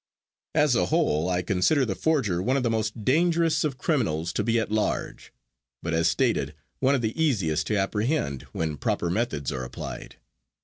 As a whole I consider the forger one of the most dangerous of criminals to be at large, but as stated, one of the easiest to apprehend when proper methods are applied.